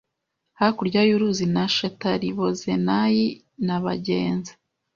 hakurya y uruzi na Shetaribozenayi na bagenzi